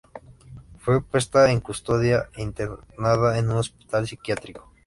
Fue puesta en custodia e internada en un hospital psiquiátrico.